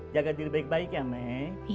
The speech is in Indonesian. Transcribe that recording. jaga diri baik baik ya may